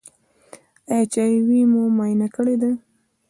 ایا ایچ آی وي مو معاینه کړی دی؟